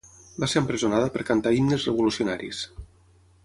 Va ser empresonada per cantar himnes revolucionaris.